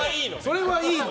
それはいいの。